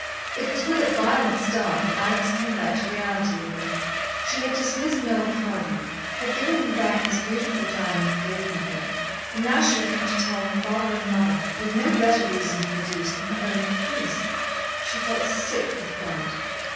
It was with a violent start that Alex came back to reality again. She had dismissed Noel Cardew, had given him back his beautiful diamond engagement ring, and now she would have to tell her father and mother, with no better reason to adduce than her own caprice. She felt sick with fright.